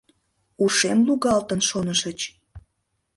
— Ушем лугалтын, шонышыч...